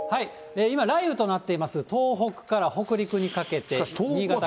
今、雷雨となっています、東北から北陸にかけて、新潟県。